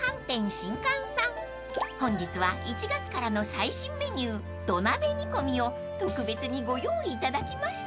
［本日は１月からの最新メニュー土鍋煮込みを特別にご用意いただきました］